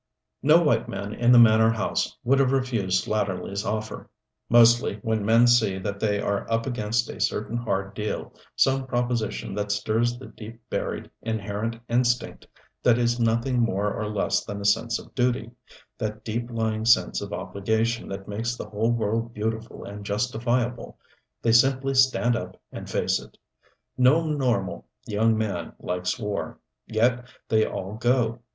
No white man in the manor house would have refused Slatterly's offer. Mostly, when men see that they are up against a certain hard deal, some proposition that stirs the deep buried, inherent instinct that is nothing more or less than a sense of duty that deep lying sense of obligation that makes the whole world beautiful and justifiable they simply stand up and face it. No normal young man likes war. Yet they all go.